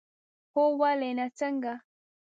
هو، ولې نه، څنګه؟